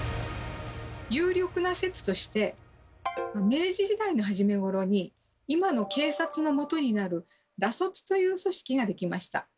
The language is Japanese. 有力な説として明治時代の初めごろに今の警察の基になる「ら卒」という組織ができました。